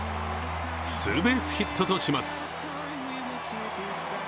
ツーベースヒットとします。